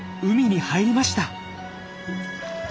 海に入りました！